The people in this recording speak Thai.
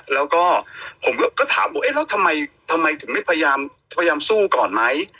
แล้วก็ผมก็ถามว่าเอ๊ะแล้วทำไมถึงไม่พยายามสู้ก่อนไหม